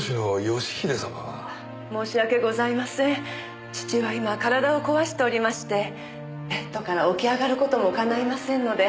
義父は今体を壊しておりましてベッドから起き上がる事もかないませんので。